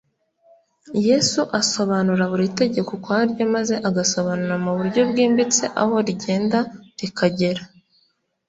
Yesu asobanura buri tegeko ukwaryo, maze agasobanura mu buryo bwimbitse aho rigenda rikagera.